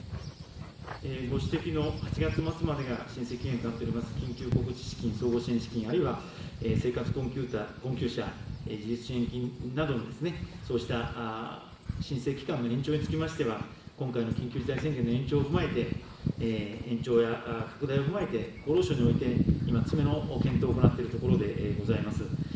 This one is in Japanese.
ご指摘の８月末までが申請期限となっております、緊急小口資金、総合支援資金、あるいは生活困窮者自立支援金などの、そうした申請期間の延長につきましては、今回の緊急事態宣言の延長を踏まえて、延長や拡大を踏まえて、厚労省において今、詰めの検討を行っているところでございます。